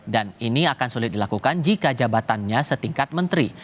dan ini akan sulit dilakukan jika jabatannya setingkat menteri